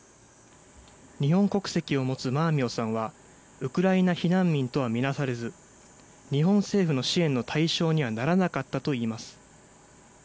日本国籍を持つマーミヨさんはウクライナ避難民とは見なされず、日本政府の支援の対象にはならなかったといいます。